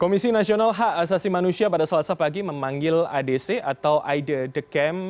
komisi nasional hak asasi manusia pada selasa pagi memanggil adc atau iddkm